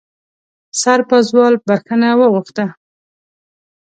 سرپازوال بښنه وغوښته.